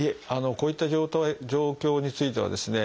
こういった状況についてはですね